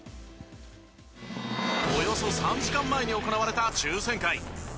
およそ３時間前に行われた抽選会。